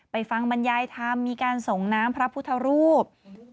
ฟังบรรยายธรรมมีการส่งน้ำพระพุทธรูป